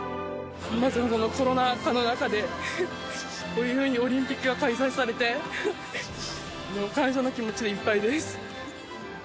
まず、このコロナ禍の中で、こういうふうにオリンピックが開催されて、感謝の気持ちでいっぱいです。